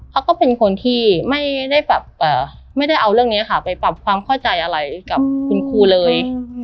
เขาก็เป็นคนที่ไม่ได้แบบไม่ได้เอาเรื่องนี้ค่ะไปปรับความเข้าใจอะไรกับคุณครูเลย